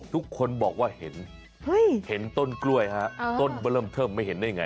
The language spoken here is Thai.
ทุกคนบอกว่าเห็นเห็นต้นกล้วยฮะต้นมาเริ่มเทิมไม่เห็นได้ไง